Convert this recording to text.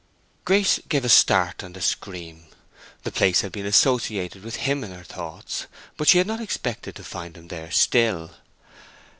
Grace gave a start and a scream: the place had been associated with him in her thoughts, but she had not expected to find him there still.